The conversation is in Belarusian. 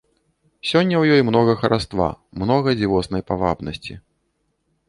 Сёння ў ёй многа хараства, многа дзівоснай павабнасці.